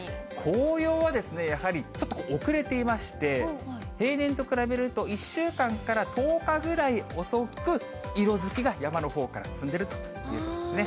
紅葉はやはり、ちょっと遅れていまして、平年と比べると１週間から１０日ぐらい遅く色づきが山のほうから進んでいるということですね。